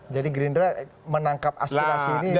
jadi gurindra menangkap aspirasi ini dengan sangat positif gitu mas